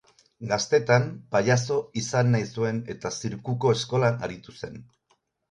Gaztetan, pailazo izan nahi zuen eta zirkuko eskolan aritu zen.